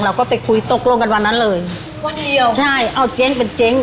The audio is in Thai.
เราก็ไปคุยตกลงกันวันนั้นเลยวันเดียวใช่เอาเจ๊งเป็นเจ๊ง